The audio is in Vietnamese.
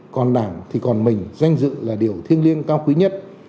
còn đảng thì còn mình danh dự là điều thiêng liêng cao quý nhất